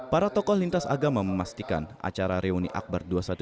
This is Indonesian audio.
para tokoh lintas agama memastikan acara reuni akbar dua ratus dua belas